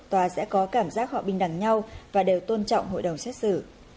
tòa sẽ có cảm giác họ bình đẳng nhau và đều tôn trọng hội đồng xét xử